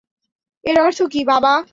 এর অর্থ কী, বাবা?